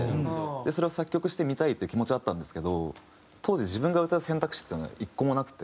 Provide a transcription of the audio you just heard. それを作曲してみたいっていう気持ちはあったんですけど当時自分が歌う選択肢っていうのが１個もなくて。